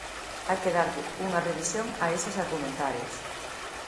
Hai que darlle unha revisión a eses argumentarios.